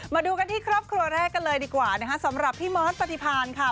มาดูกันที่ครอบครัวแรกกันเลยดีกว่านะคะสำหรับพี่มอสปฏิพันธ์ค่ะ